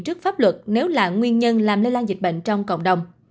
trước pháp luật nếu là nguyên nhân